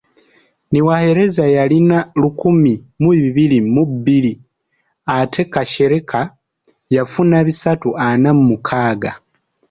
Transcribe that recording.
Niwahereza yalina lukumi mu bibiri mu bbiri ate Kashereka yafuna bisatu ana mu mukaaga.